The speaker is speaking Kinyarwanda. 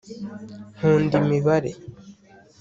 nkunda imibare